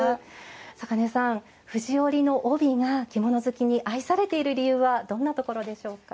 坂根さん、藤織りの帯が着物好きに愛されている理由はどんなところでしょうか？